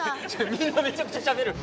みんなめちゃくちゃしゃべる。